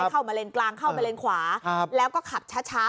ครับเข้ามาเลนกลางเข้ามาเลนขวาครับแล้วก็ขับช้าช้า